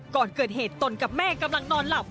ก่อนเกิดเหตุตนกับแม่กำลังนอนหลับ